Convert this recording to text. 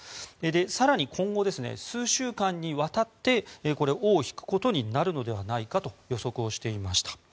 更に、今後数週間にわたって尾を引くことになるのではないかと予測をしていました。